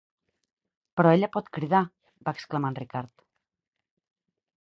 "Però ella pot cridar", va exclamar en Ricard.